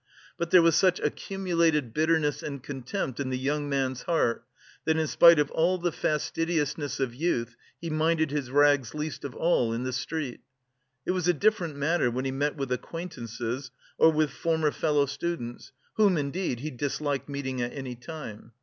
But there was such accumulated bitterness and contempt in the young man's heart, that, in spite of all the fastidiousness of youth, he minded his rags least of all in the street. It was a different matter when he met with acquaintances or with former fellow students, whom, indeed, he disliked meeting at any time.